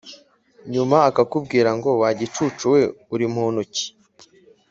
nyuma akakubwira ngo wa gicucu we urimuntuki